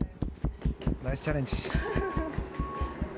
ナイスチャレンジ。